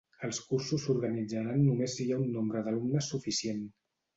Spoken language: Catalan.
Els cursos s'organitzaran només si hi ha un nombre d'alumnes suficient.